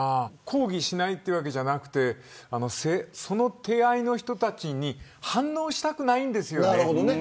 抗議しないわけじゃなくてその手合いの人たちに反応したくないんですよね。